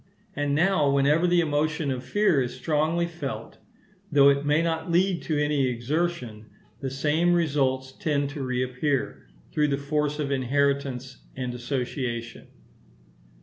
And now, whenever the emotion of fear is strongly felt, though it may not lead to any exertion, the same results tend to reappear, through the force of inheritance and association.